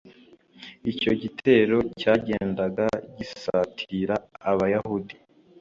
icyo gitero cyagendaga gisatira abayahudi